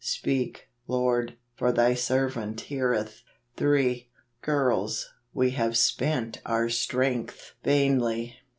Speak, Lord; for thy servant heareth ." 3. "Girls, we have spent our strength vainly.